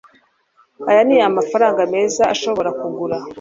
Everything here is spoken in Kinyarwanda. aya ni amafaranga meza ashobora kugura